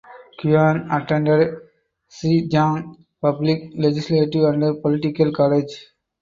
Qian attended Zhejiang Public Legislative and Political College.